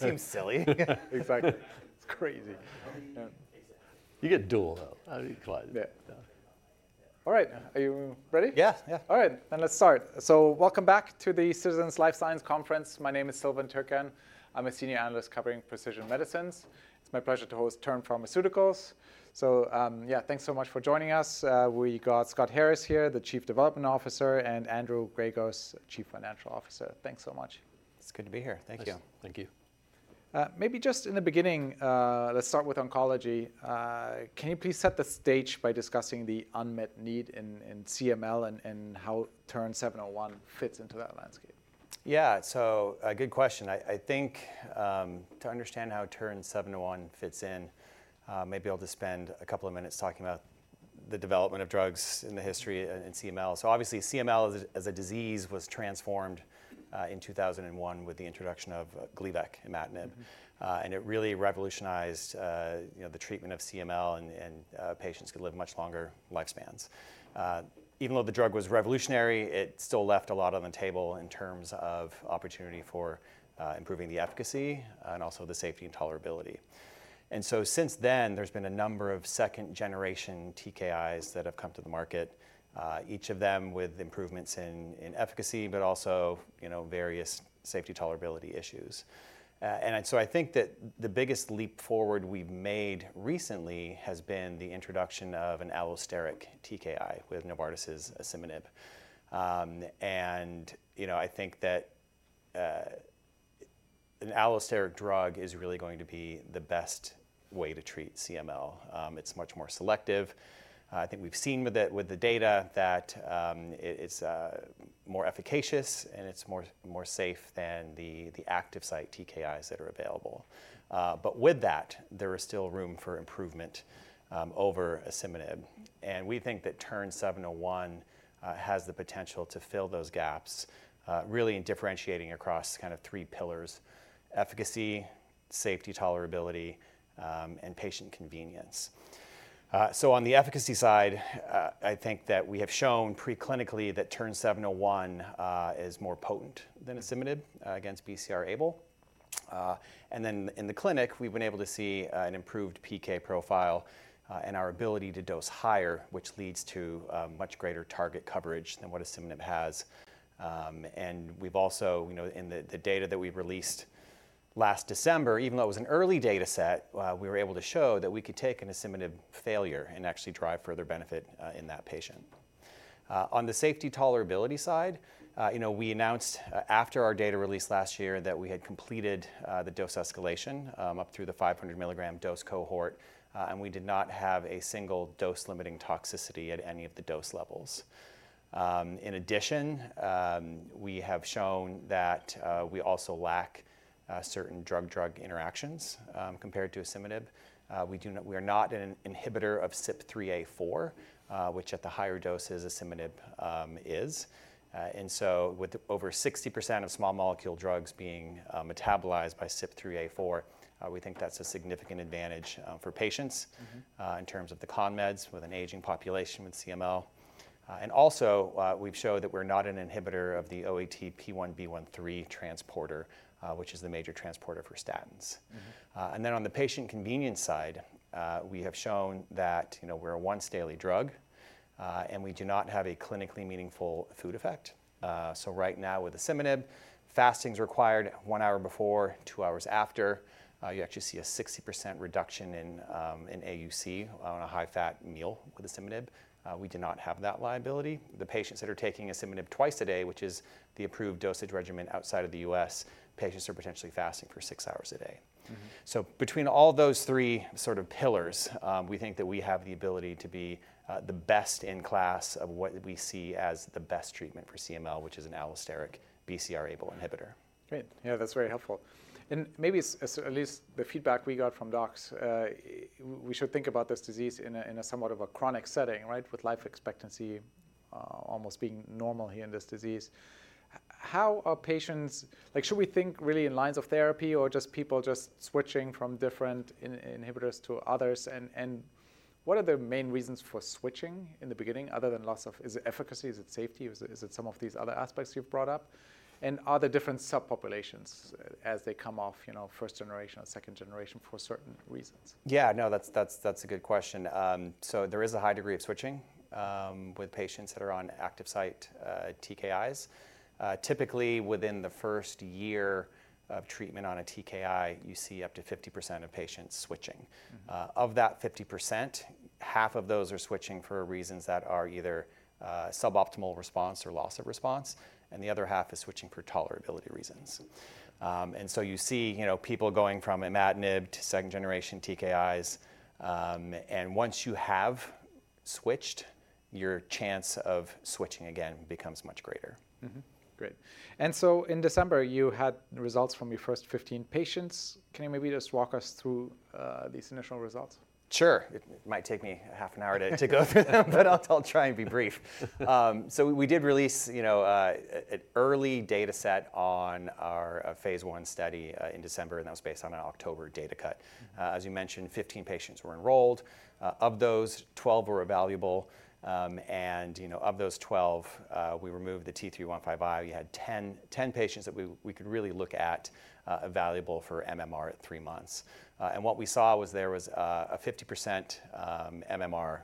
Seems silly. Exactly. It's crazy. You get dual, though. All right. Are you ready? Yes All right. Let's start. Welcome back to the Citizens Life Science Conference. My name is Silvan Türkcan. I'm a senior analyst covering precision medicines. It's my pleasure to host Terns Pharmaceuticals. Thanks so much for joining us. We have Scott Harris here, the Chief Development Officer, and Andrew Gengos, Chief Financial Officer. Thanks so much. It's good to be here. Thank you. Thank you. Maybe just in the beginning, let's start with oncology. Can you please set the stage by discussing the unmet need in CML and how TERN-701 fits into that landscape? Yeah. Good question. I think to understand how TERN-701 fits in, maybe I'll just spend a couple of minutes talking about the development of drugs in the history in CML. Obviously, CML as a disease was transformed in 2001 with the introduction of Gleevec and imatinib. It really revolutionized the treatment of CML, and patients could live much longer lifespans. Even though the drug was revolutionary, it still left a lot on the table in terms of opportunity for improving the efficacy and also the safety and tolerability. Since then, there's been a number of second-generation TKIs that have come to the market, each of them with improvements in efficacy, but also various safety tolerability issues. I think that the biggest leap forward we've made recently has been the introduction of an allosteric TKI with Novartis's asciminib. I think that an allosteric drug is really going to be the best way to treat CML. It's much more selective. I think we've seen with the data that it's more efficacious and it's more safe than the active site TKIs that are available. With that, there is still room for improvement over asciminib. We think that TERN-701 has the potential to fill those gaps, really differentiating across kind of three pillars: efficacy, safety tolerability, and patient convenience. On the efficacy side, I think that we have shown preclinically that TERN-701 is more potent than asciminib against BCR-ABL. In the clinic, we've been able to see an improved PK profile and our ability to dose higher, which leads to much greater target coverage than what asciminib has. We have also, in the data that we released last December, even though it was an early data set, been able to show that we could take an asciminib failure and actually drive further benefit in that patient. On the safety tolerability side, we announced after our data release last year that we had completed the dose escalation up through the 500 mg dose cohort, and we did not have a single dose-limiting toxicity at any of the dose levels. In addition, we have shown that we also lack certain drug-drug interactions compared to asciminib. We are not an inhibitor of CYP3A4, which at the higher doses asciminib is. With over 60% of small-molecule drugs being metabolized by CYP3A4, we think that is a significant advantage for patients in terms of the conmeds with an aging population with CML. We have shown that we're not an inhibitor of the OATP1B1 transporter, which is the major transporter for statins. On the patient convenience side, we have shown that we're a once-daily drug, and we do not have a clinically meaningful food effect. Right now with asciminib, fasting is required one hour before, two hours after. You actually see a 60% reduction in AUC on a high-fat meal with asciminib. We do not have that liability. The patients that are taking asciminib twice a day, which is the approved dosage regimen outside of the U.S., patients are potentially fasting for six hours a day. Between all those three sort of pillars, we think that we have the ability to be the best in class of what we see as the best treatment for CML, which is an allosteric BCR-ABL inhibitor. Great. Yeah, that's very helpful. Maybe at least the feedback we got from docs, we should think about this disease in somewhat of a chronic setting, right, with life expectancy almost being normal here in this disease. How are patients, like, should we think really in lines of therapy or just people just switching from different inhibitors to others? What are the main reasons for switching in the beginning other than loss of efficacy? Is it safety? Is it some of these other aspects you've brought up? Are there different subpopulations as they come off first-generation or second-generation for certain reasons? Yeah, no, that's a good question. There is a high degree of switching with patients that are on active site TKIs. Typically, within the first year of treatment on a TKI, you see up to 50% of patients switching. Of that 50%, half of those are switching for reasons that are either suboptimal response or loss of response, and the other half is switching for tolerability reasons. You see people going from imatinib to second generation TKIs. Once you have switched, your chance of switching again becomes much greater. Great. In December, you had results from your first 15 patients. Can you maybe just walk us through these initial results? Sure. It might take me half an hour to go through them, but I'll try and be brief. We did release an early data set on our phase one study in December, and that was based on an October data cut. As you mentioned, 15 patients were enrolled. Of those, 12 were evaluable. Of those 12, we removed the T315i. We had 10 patients that we could really look at evaluable for MMR at three months. What we saw was there was a 50% MMR,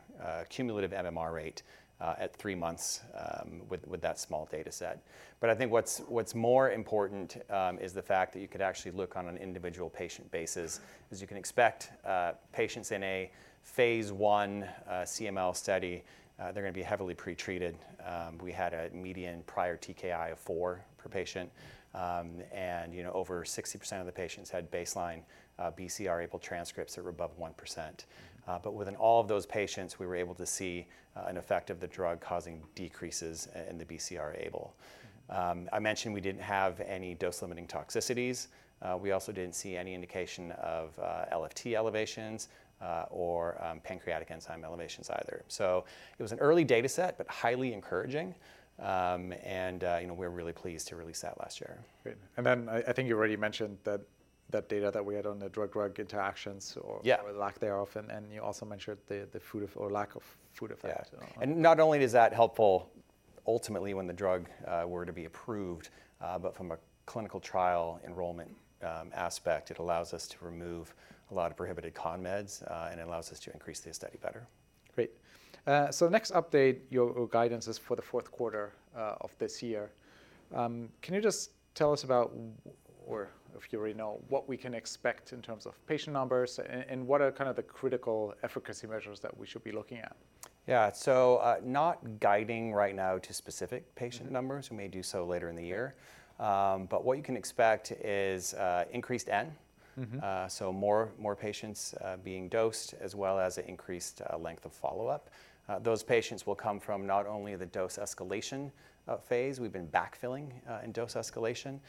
cumulative MMR rate at three months with that small data set. I think what's more important is the fact that you could actually look on an individual patient basis as you can expect patients in a phase one CML study, they're going to be heavily pretreated. We had a median prior TKI of four per patient, and over 60% of the patients had baseline BCR-ABL transcripts that were above 1%. Within all of those patients, we were able to see an effect of the drug causing decreases in the BCR-ABL. I mentioned we did not have any dose-limiting toxicities. We also did not see any indication of LFT elevations or pancreatic enzyme elevations either. It was an early data set, but highly encouraging. We are really pleased to release that last year. Great. I think you already mentioned that data that we had on the drug-drug interactions or lack thereof. You also mentioned the lack of food effect. Yeah. Not only is that helpful ultimately when the drug were to be approved, but from a clinical trial enrollment aspect, it allows us to remove a lot of prohibited conmeds, and it allows us to increase the study better. Great. The next update, your guidance is for the fourth quarter of this year. Can you just tell us about, or if you already know, what we can expect in terms of patient numbers and what are kind of the critical efficacy measures that we should be looking at? Yeah. Not guiding right now to specific patient numbers. We may do so later in the year. What you can expect is increased N, so more patients being dosed as well as an increased length of follow-up. Those patients will come from not only the dose escalation phase, we've been backfilling in dose escalation,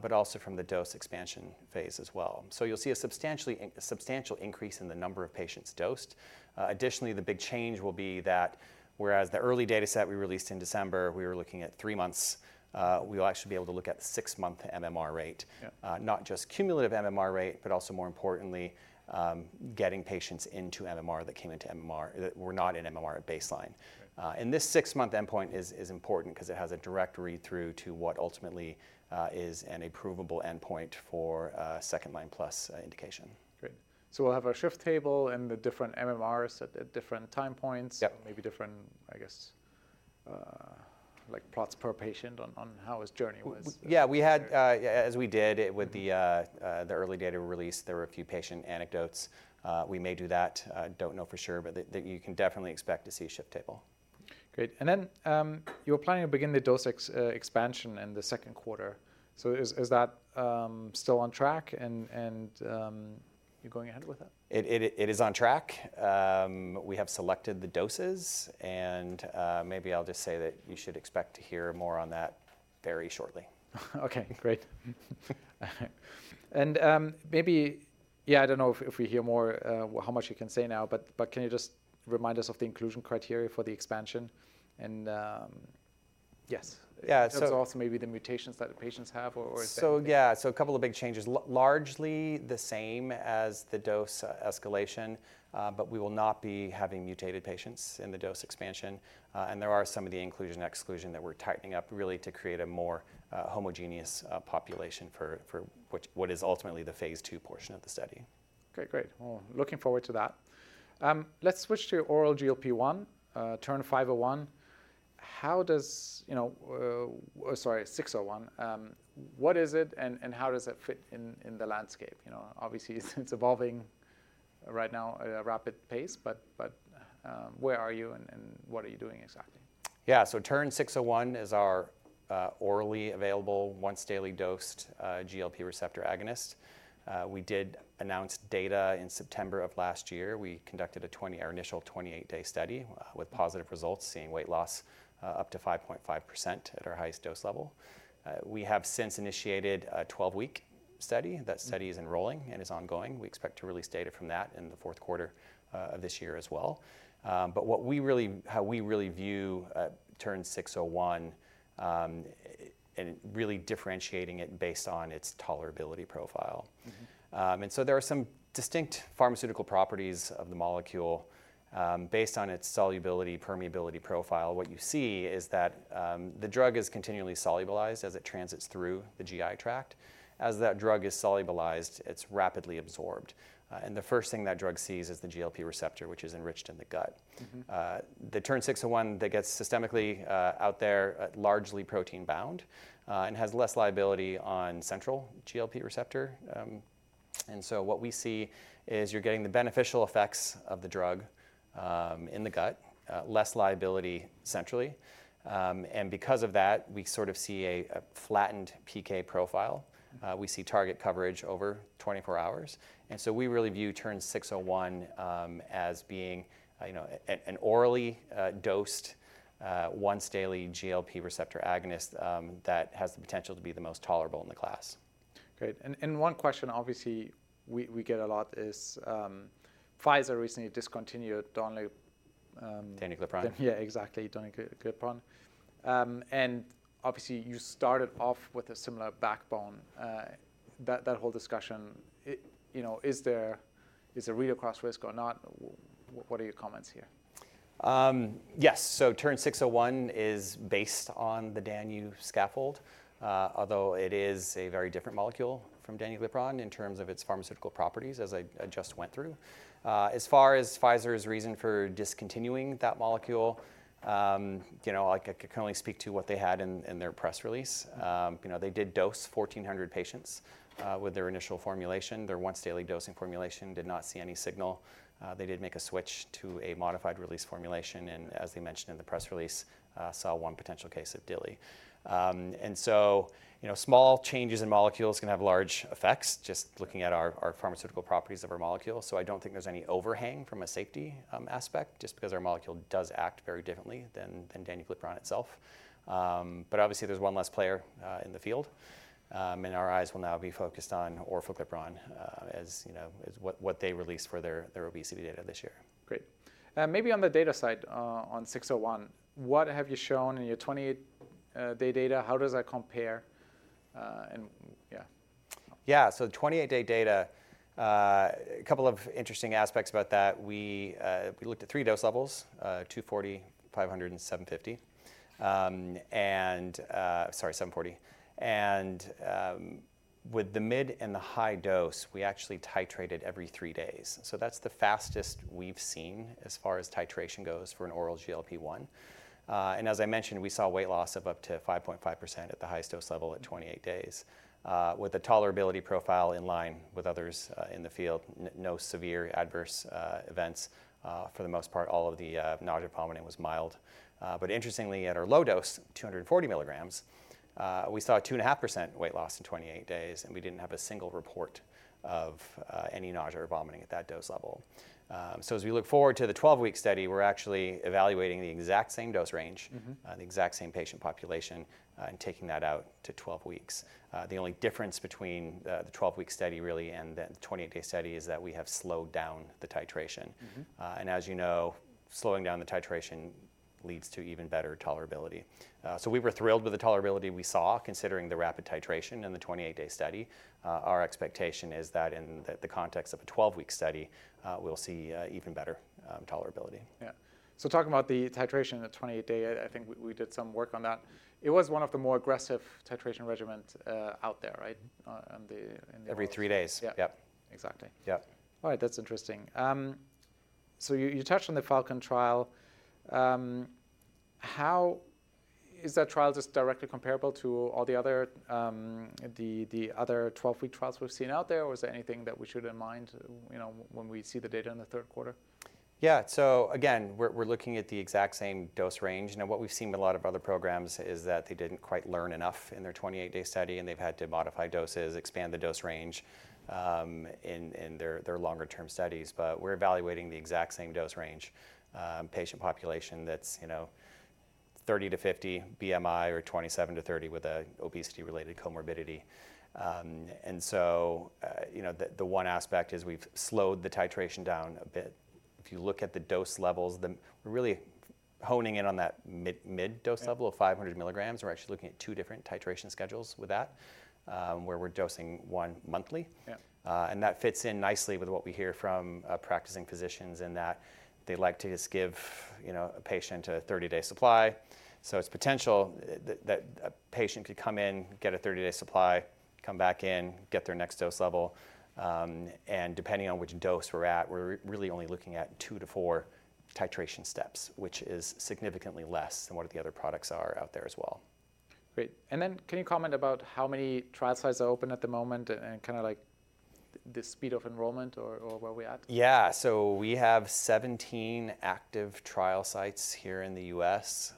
but also from the dose expansion phase as well. You'll see a substantial increase in the number of patients dosed. Additionally, the big change will be that whereas the early data set we released in December, we were looking at three months, we will actually be able to look at six-month MMR rate, not just cumulative MMR rate, but also more importantly, getting patients into MMR that came into MMR that were not in MMR at baseline. This six-month endpoint is important because it has a direct read-through to what ultimately is an approvable endpoint for a second line plus indication. Great. We'll have a shift table and the different MMRs at different time points, maybe different, I guess, like plots per patient on how his journey was. Yeah, as we did with the early data release, there were a few patient anecdotes. We may do that. Don't know for sure, but you can definitely expect to see a shift table. Great. You were planning to begin the dose expansion in the second quarter. Is that still on track and you're going ahead with that? It is on track. We have selected the doses. Maybe I'll just say that you should expect to hear more on that very shortly. Okay, great. Maybe, yeah, I do not know if we hear more how much you can say now, but can you just remind us of the inclusion criteria for the expansion? Yes. Yeah. That's also maybe the mutations that the patients have, or is that? Yeah, a couple of big changes, largely the same as the dose escalation, but we will not be having mutated patients in the dose expansion. There are some of the inclusion and exclusion that we're tightening up really to create a more homogeneous population for what is ultimately the phase two portion of the study. Okay, great. Looking forward to that. Let's switch to oral GLP-1, TERN-601. How does, sorry, 601, what is it and how does it fit in the landscape? Obviously, it's evolving right now at a rapid pace, but where are you and what are you doing exactly? Yeah. TERN-601 is our orally available once-daily dosed GLP-1 receptor agonist. We did announce data in September of last year. We conducted our initial 28-day study with positive results, seeing weight loss up to 5.5% at our highest dose level. We have since initiated a 12-week study. That study is enrolling and is ongoing. We expect to release data from that in the fourth quarter of this year as well. How we really view TERN-601 is really differentiating it based on its tolerability profile. There are some distinct pharmaceutical properties of the molecule based on its solubility, permeability profile. What you see is that the drug is continually solubilized as it transits through the GI tract. As that drug is solubilized, it's rapidly absorbed. The first thing that drug sees is the GLP-1 receptor, which is enriched in the gut. The TERN-601 that gets systemically out there is largely protein-bound and has less liability on central GLP-1 receptor. What we see is you're getting the beneficial effects of the drug in the gut, less liability centrally. Because of that, we sort of see a flattened PK profile. We see target coverage over 24 hours. We really view TERN-601 as being an orally dosed once-daily GLP-1 receptor agonist that has the potential to be the most tolerable in the class. Great. One question obviously we get a lot is Pfizer recently discontinued danuglipron. Danuglipron. Yeah, exactly, danuglipron. Obviously, you started off with a similar backbone. That whole discussion, is there really a cross-risk or not? What are your comments here? Yes. TERN-601 is based on the danuglipron scaffold, although it is a very different molecule from danuglipron in terms of its pharmaceutical properties, as I just went through. As far as Pfizer's reason for discontinuing that molecule, I can only speak to what they had in their press release. They did dose 1,400 patients with their initial formulation. Their once-daily dosing formulation did not see any signal. They did make a switch to a modified release formulation. As they mentioned in the press release, they saw one potential case of DILI. Small changes in molecules can have large effects just looking at our pharmaceutical properties of our molecule. I do not think there is any overhang from a safety aspect just because our molecule does act very differently than danuglipron itself. Obviously, there is one less player in the field. Our eyes will now be focused on orforglipron as what they released for their obesity data this year. Great. Maybe on the data side on 601, what have you shown in your 28-day data? How does that compare? Yeah. Yeah. The 28-day data, a couple of interesting aspects about that. We looked at three dose levels, 240, 500, and 750. With the mid and the high dose, we actually titrated every three days. That is the fastest we have seen as far as titration goes for an oral GLP-1. As I mentioned, we saw weight loss of up to 5.5% at the highest dose level at 28 days. The tolerability profile was in line with others in the field, no severe adverse events. For the most part, all of the nausea and vomiting was mild. Interestingly, at our low dose, 240 milligrams, we saw 2.5% weight loss in 28 days, and we did not have a single report of any nausea or vomiting at that dose level. As we look forward to the 12-week study, we're actually evaluating the exact same dose range, the exact same patient population, and taking that out to 12 weeks. The only difference between the 12-week study really and the 28-day study is that we have slowed down the titration. As you know, slowing down the titration leads to even better tolerability. We were thrilled with the tolerability we saw considering the rapid titration in the 28-day study. Our expectation is that in the context of a 12-week study, we'll see even better tolerability. Yeah. Talking about the titration at 28-day, I think we did some work on that. It was one of the more aggressive titration regimens out there, right? Every three days. Yep. Exactly. Yep. All right. That's interesting. So you touched on the Falcon trial. Is that trial just directly comparable to all the other 12-week trials we've seen out there, or is there anything that we shouldn't mind when we see the data in the third quarter? Yeah. Again, we're looking at the exact same dose range. What we've seen with a lot of other programs is that they didn't quite learn enough in their 28-day study, and they've had to modify doses, expand the dose range in their longer-term studies. We're evaluating the exact same dose range, patient population that's 30-50 BMI or 27-30 with an obesity-related comorbidity. The one aspect is we've slowed the titration down a bit. If you look at the dose levels, we're really honing in on that mid dose level of 500 milligrams. We're actually looking at two different titration schedules with that where we're dosing one monthly. That fits in nicely with what we hear from practicing physicians in that they like to just give a patient a 30-day supply. It's potential that a patient could come in, get a 30-day supply, come back in, get their next dose level. Depending on which dose we're at, we're really only looking at two to four titration steps, which is significantly less than what the other products are out there as well. Great. Can you comment about how many trial sites are open at the moment and kind of like the speed of enrollment or where we're at? Yeah. So we have 17 active trial sites here in the U.S.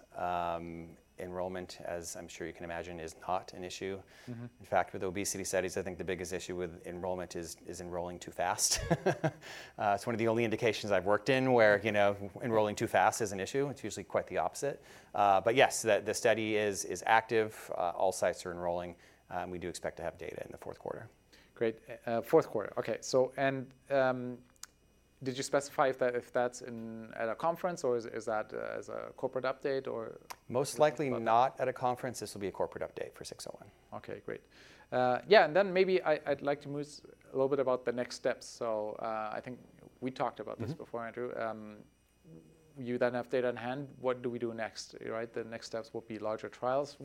Enrollment, as I'm sure you can imagine, is not an issue. In fact, with obesity studies, I think the biggest issue with enrollment is enrolling too fast. It's one of the only indications I've worked in where enrolling too fast is an issue. It's usually quite the opposite. Yes, the study is active. All sites are enrolling. We do expect to have data in the fourth quarter. Great. Fourth quarter. Okay. And did you specify if that's at a conference or is that as a corporate update or? Most likely not at a conference. This will be a corporate update for 601. Okay, great. Yeah. Maybe I'd like to move a little bit about the next steps. I think we talked about this before, Andrew. You then have data in hand. What do we do next? The next steps will be larger trials.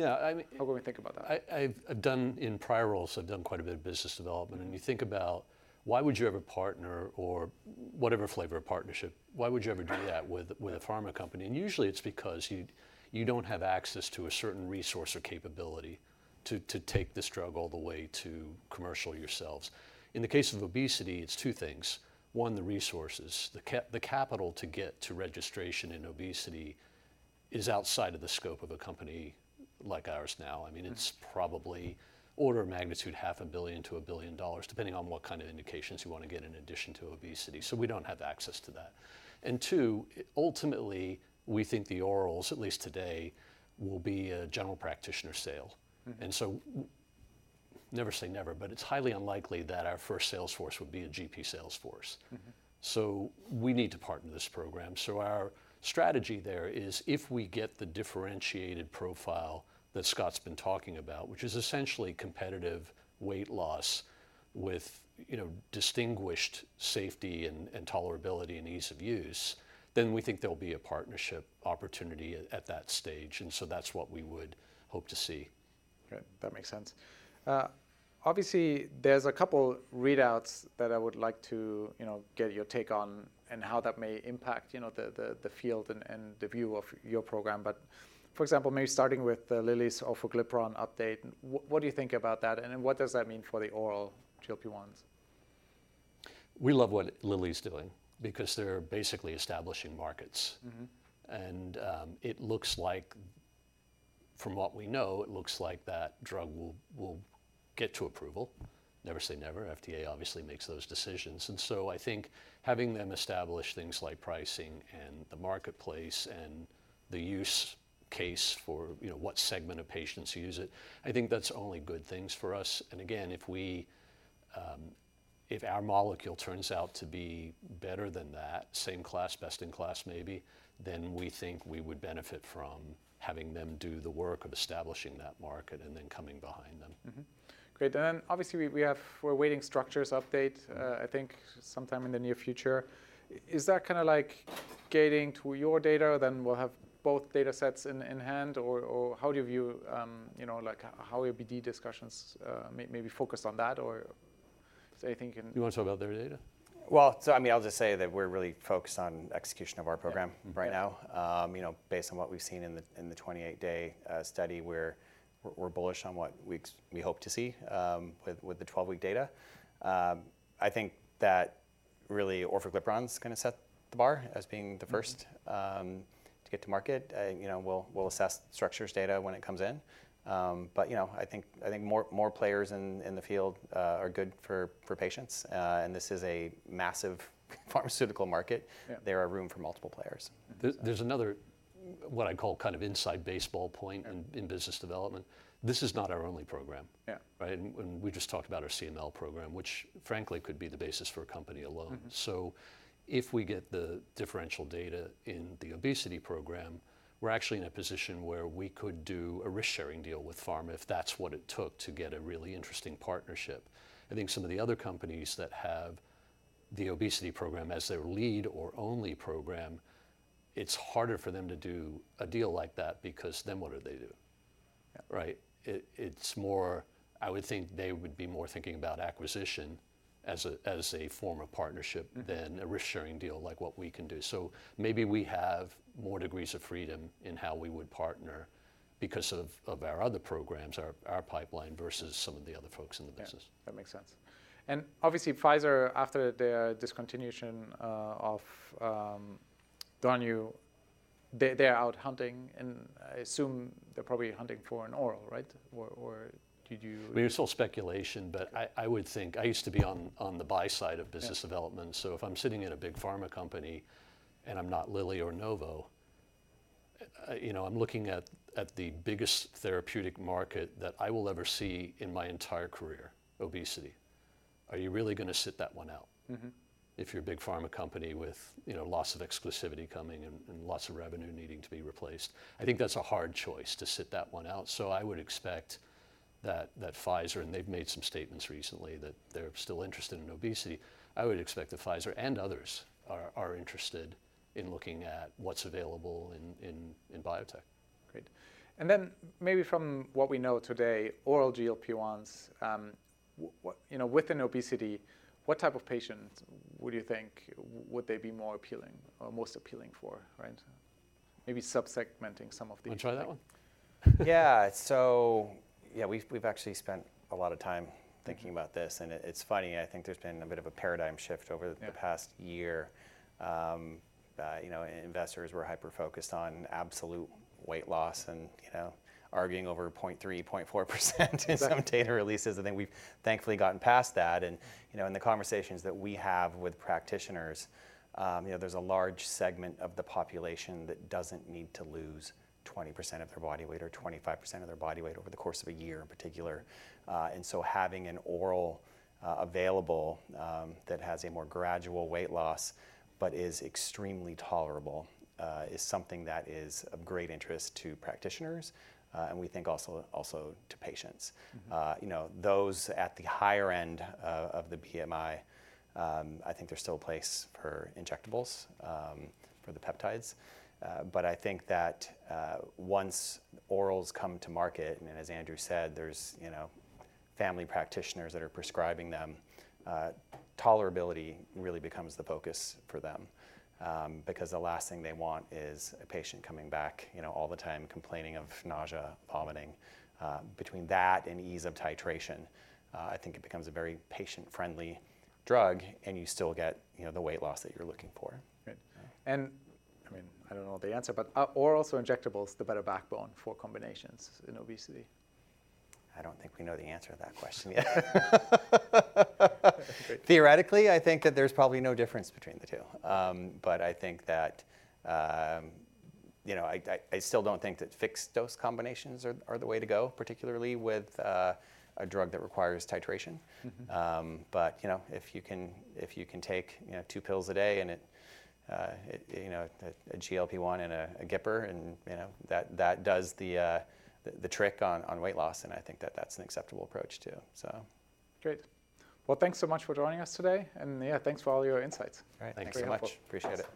How will we think about that? I've done in prior roles, I've done quite a bit of business development. You think about why would you ever partner or whatever flavor of partnership, why would you ever do that with a pharma company? Usually it's because you don't have access to a certain resource or capability to take this drug all the way to commercial yourselves. In the case of obesity, it's two things. One, the resources. The capital to get to registration in obesity is outside of the scope of a company like ours now. I mean, it's probably order of magnitude $500,000,000-$1,000,000,000 depending on what kind of indications you want to get in addition to obesity. We don't have access to that. Two, ultimately, we think the orals, at least today, will be a general practitioner sale. Never say never, but it's highly unlikely that our first sales force would be a GP sales force. We need to partner this program. Our strategy there is if we get the differentiated profile that Scott's been talking about, which is essentially competitive weight loss with distinguished safety and tolerability and ease of use, then we think there'll be a partnership opportunity at that stage. That's what we would hope to see. Okay. That makes sense. Obviously, there's a couple of readouts that I would like to get your take on and how that may impact the field and the view of your program. For example, maybe starting with Lilly's orforglipron update, what do you think about that? What does that mean for the oral GLP-1s? We love what Lilly's doing because they're basically establishing markets. It looks like from what we know, it looks like that drug will get to approval. Never say never. FDA obviously makes those decisions. I think having them establish things like pricing and the marketplace and the use case for what segment of patients use it, I think that's only good things for us. If our molecule turns out to be better than that, same class, best in class maybe, then we think we would benefit from having them do the work of establishing that market and then coming behind them. Great. Obviously, we have, we're waiting structures update, I think, sometime in the near future. Is that kind of like getting to your data, or then we'll have both data sets in hand? How do you view, how will your BD discussions maybe focus on that, or is there anything? You want to talk about their data? I mean, I'll just say that we're really focused on execution of our program right now. Based on what we've seen in the 28-day study, we're bullish on what we hope to see with the 12-week data. I think that really orforglipron is going to set the bar as being the first to get to market. We'll assess structures data when it comes in. I think more players in the field are good for patients. This is a massive pharmaceutical market. There are room for multiple players. There's another what I call kind of inside baseball point in business development. This is not our only program. And we just talked about our CML program, which frankly could be the basis for a company alone. So if we get the differential data in the obesity program, we're actually in a position where we could do a risk-sharing deal with pharma if that's what it took to get a really interesting partnership. I think some of the other companies that have the obesity program as their lead or only program, it's harder for them to do a deal like that because then what do they do? It's more I would think they would be more thinking about acquisition as a form of partnership than a risk-sharing deal like what we can do. Maybe we have more degrees of freedom in how we would partner because of our other programs, our pipeline versus some of the other folks in the business. Yeah. That makes sense. Obviously, Pfizer, after the discontinuation of danuglipron, they're out hunting. I assume they're probably hunting for an oral, right? Or did you? I mean, it's all speculation, but I would think I used to be on the buy side of business development. If I'm sitting in a big pharma company and I'm not Lilly or Novo, I'm looking at the biggest therapeutic market that I will ever see in my entire career, obesity. Are you really going to sit that one out if you're a big pharma company with loss of exclusivity coming and lots of revenue needing to be replaced? I think that's a hard choice to sit that one out. I would expect that Pfizer, and they've made some statements recently that they're still interested in obesity. I would expect that Pfizer and others are interested in looking at what's available in biotech. Great. Maybe from what we know today, oral GLP-1s, within obesity, what type of patients would you think would they be more appealing or most appealing for? Maybe subsegmenting some of the. I'll try that one. Yeah. So yeah, we've actually spent a lot of time thinking about this. It's funny, I think there's been a bit of a paradigm shift over the past year. Investors were hyper-focused on absolute weight loss and arguing over 0.3, 0.4% in some data releases. I think we've thankfully gotten past that. In the conversations that we have with practitioners, there's a large segment of the population that doesn't need to lose 20% of their body weight or 25% of their body weight over the course of a year in particular. Having an oral available that has a more gradual weight loss but is extremely tolerable is something that is of great interest to practitioners and we think also to patients. Those at the higher end of the BMI, I think there's still a place for injectables for the peptides. I think that once orals come to market, and as Andrew said, there's family practitioners that are prescribing them, tolerability really becomes the focus for them because the last thing they want is a patient coming back all the time complaining of nausea, vomiting. Between that and ease of titration, I think it becomes a very patient-friendly drug and you still get the weight loss that you're looking for. Great. I mean, I don't know the answer, but are oral or injectables the better backbone for combinations in obesity? I don't think we know the answer to that question yet. Theoretically, I think that there's probably no difference between the two. I still don't think that fixed dose combinations are the way to go, particularly with a drug that requires titration. If you can take two pills a day and a GLP-1 and a GIPR, and that does the trick on weight loss, I think that that's an acceptable approach too. Great. Thanks so much for joining us today. Yeah, thanks for all your insights. Thanks very much. Appreciate it.